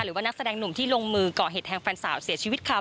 หรือว่านักแสดงหนุ่มที่ลงมือก่อเหตุแทงแฟนสาวเสียชีวิตค่ะ